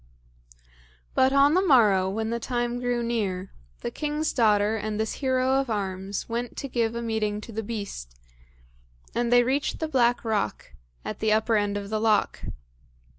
But on the morrow, when the time grew near, the king's daughter and this hero of arms went to give a meeting to the beast, and they reached the black rock, at the upper end of the loch.